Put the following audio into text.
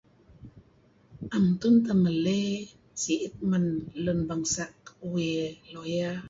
am tuuh ma'le siit men bangsa uih lawyer